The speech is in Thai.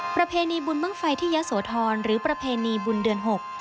ประเพณีบุญบ้างไฟที่ยะโสธรหรือประเพณีบุญเดือนหก